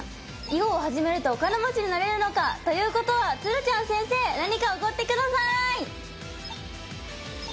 囲碁を始めるとお金持ちになれるのか！ということは鶴ちゃん先生何かおごって下さい！